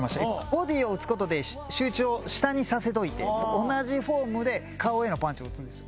ボディを打つことで集中を下にさせといて同じフォームで顔へのパンチを打つんですよ。